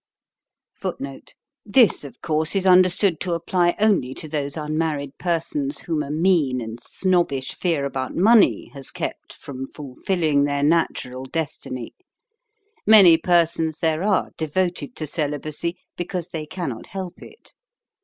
(1) This, of course, is understood to apply only to those unmarried persons whom a mean and Snobbish fear about money has kept from fulfilling their natural destiny. Many persons there are devoted to celibacy because they cannot help it.